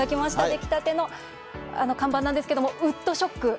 出来たての看板なんですけどもウッドショック。